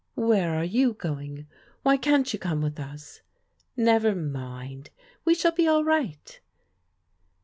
"Where are you going? Why can't jrou come with us?" " Never mind ; we shall be all right."